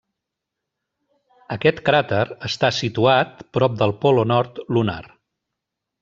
Aquest cràter està situat prop del Polo Nord lunar.